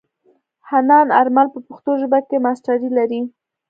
حنان آرمل په پښتو ژبه کې ماسټري لري.